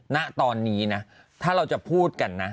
ณตอนนี้นะถ้าเราจะพูดกันนะ